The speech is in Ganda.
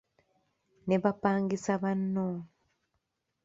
Ne bapangisa banno.